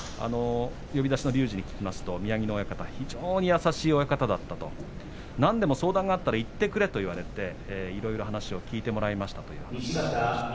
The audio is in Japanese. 呼出しの隆二に聞きますと宮城野親方、非常に優しい親方だったと何でも相談があったら言ってくれと言われて、いろいろ話を聞いてもらいましたと言っていました。